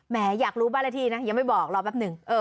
อยากรู้บ้านละที่นะยังไม่บอกรอแป๊บหนึ่ง